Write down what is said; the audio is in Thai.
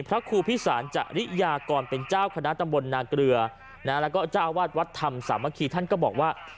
พระคูพิศาลจริยากรเป็นเจ้าคณะตะบนนาเกลือนะก็จะอาวาธวัฒน์ธรรมสามกีท่านก็บอกว่า